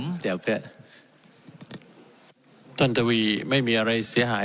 ผมเดี๋ยวเดี๋ยวเดี๋ยวตั้งแต่วีไม่มีอะไรเสียหาย